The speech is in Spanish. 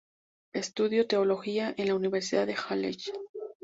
Estudió teología en la Universidad de Halle.